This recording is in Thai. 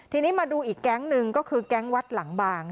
ทีนี้มาดูอีกแก๊งหนึ่งก็คือแก๊งวัดหลังบาง